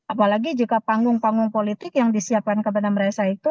apalagi jika panggung panggung politik yang disiapkan kepada mereka itu